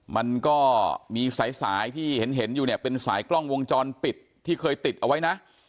มันก็มีสายสายที่เห็นอยู่เนี่ยเป็นสายกล้องวงจรปิดที่เคยติดเอาไว้นะ